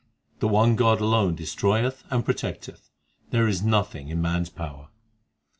The one God alone destroyeth and protecteth ; There is nothing in man s power.